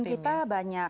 tim kita banyak